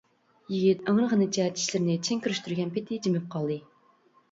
يىگىت ئىڭرىغىنىچە چىشلىرىنى چىڭ كىرىشتۈرگەن پېتى جىمىپ قالدى.